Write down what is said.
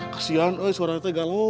kasian soalnya saya galau